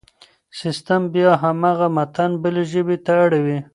سيستم بيا هماغه متن بلې ژبې ته اړوي.